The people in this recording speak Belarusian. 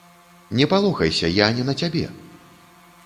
Не палохайся, я не на цябе!